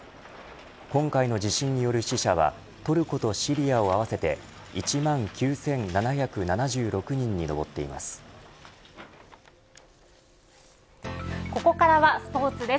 今回の地震による死者はトルコとシリアを合わせて１万９７７６人に上っています。